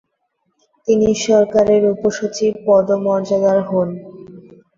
তিনি সরকারের উপ সচিব পদমর্যাদার হোন।